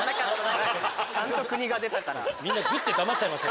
ちゃんと国が出たから。